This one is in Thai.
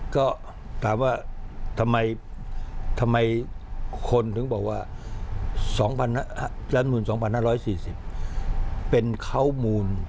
ก็ถามว่าทำไมทำไมคนถึงบอกว่า๒๕๔๐เป็นข้าวมูล